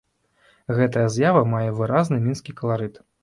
Гэтая з'ява мае выразны мінскі каларыт.